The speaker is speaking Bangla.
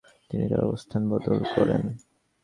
তিনি তার অবস্থান বদল করেন।